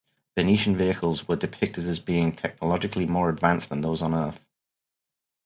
Venusian vehicles were depicted as being technologically more advanced than those of Earth.